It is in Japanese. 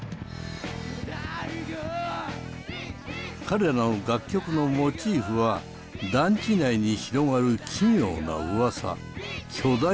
彼らの楽曲のモチーフは団地内に広がる奇妙な噂「巨大魚」。